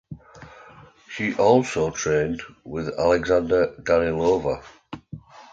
She also trained with Alexandra Danilova.